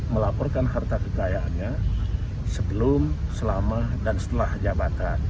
melaporkan harta kekayaannya sebelum selama dan setelah jabatan